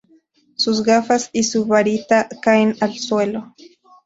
Sus gafas y su varita caen al suelo.